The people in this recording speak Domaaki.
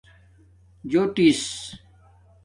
جݸٹس